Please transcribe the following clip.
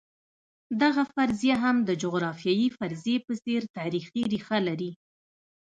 دغه فرضیه هم د جغرافیوي فرضیې په څېر تاریخي ریښه لري.